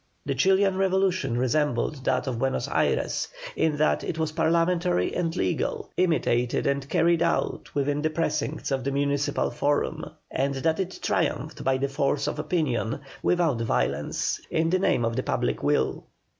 The Chilian revolution resembled that of Buenos Ayres, in that it was Parliamentary and legal, initiated and carried out within the precincts of the municipal forum; and that it triumphed by the force of opinion, without violence, in the name of the public weal.